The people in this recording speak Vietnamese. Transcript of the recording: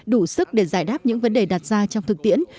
đủ sức để giải đáp những vấn đề đặt ra trong thực tiễn